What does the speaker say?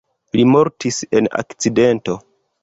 Li mortis en akcidento.